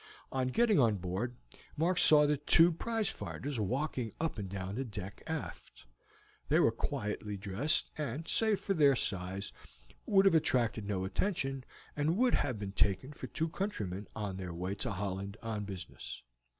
On getting on board Mark saw the two prize fighters walking up and down the deck aft. They were quietly dressed, and save for their size would have attracted no attention, and would have been taken for two countrymen on their way to Holland on business.